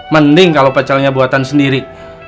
mending kalau pecelnya buatan sendiri